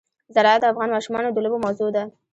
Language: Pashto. زراعت د افغان ماشومانو د لوبو موضوع ده.